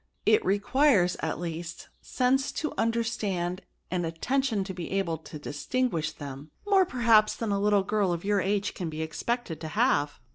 It requires, at least, sense to under stand and attention to be able to distinguish them, more, perhaps, than a little girl of your age can be expected to have."